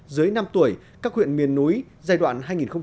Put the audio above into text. dưới năm tuổi các huyện miền núi giai đoạn hai nghìn một mươi sáu hai nghìn hai mươi